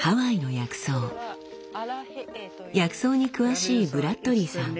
薬草に詳しいブラッドリーさん。